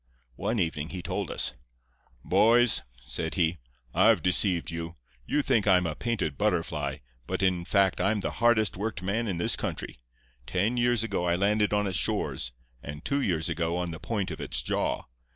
One evening he told us. "'Boys,' said he, 'I've deceived you. You think I'm a painted butterfly; but in fact I'm the hardest worked man in this country. Ten years ago I landed on its shores; and two years ago on the point of its jaw.